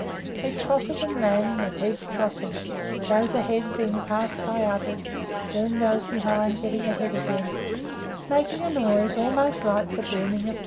They trotted and ran, with heads tossing, those ahead being passed by others, then those behind getting ahead again, making a noise almost like the booming of thunder.